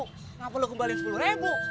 kenapa lu kembalian sepuluh ribu